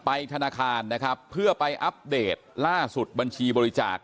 ธนาคารนะครับเพื่อไปอัปเดตล่าสุดบัญชีบริจาค